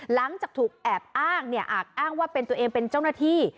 หลังจากถูกแอบอ้างเนี่ยอาจอ้างว่าเป็นตัวเองเป็นเจ้าหน้าที่